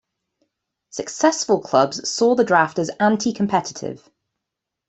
Successful clubs saw the draft as anti-competitive.